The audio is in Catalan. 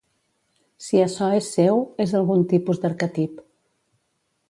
Si açò és seu, és algun tipus d'arquetip.